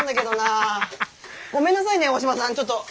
ごめんなさいね大島さんちょっと。